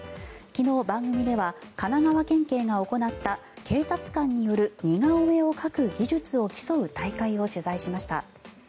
昨日、番組では神奈川県警が行った警察官による似顔絵を描く技術を競う大会を取材しました。